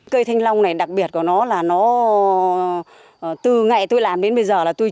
cây thanh long này đặc biệt của nó là nó từ ngày tôi làm đến bây giờ là tôi